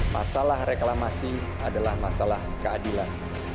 masalah reklamasi adalah masalah keadilan